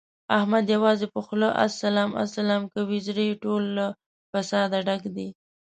احمد یوازې په خوله اسلام اسلام کوي، زړه یې ټول له فساده ډک دی.